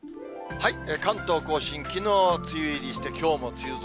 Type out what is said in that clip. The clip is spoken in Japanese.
関東甲信、きのう梅雨入りして、きょうも梅雨空。